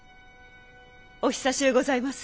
お久しゅうございます。